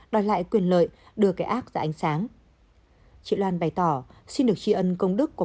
đòi lại quyền lợi đưa cái ác ra ánh sáng chị loan bày tỏ xin được tri ân công đức của